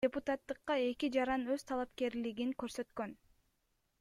Депутаттыкка эки жаран өз талапкерлигин көрсөткөн.